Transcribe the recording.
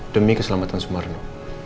demi keselamatan sumarno